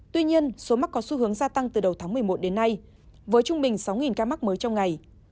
tuy nhiên số mắc có xu hướng gia tăng từ đầu tháng một mươi một đến nay với trung bình sáu ca mắc mới trong ngày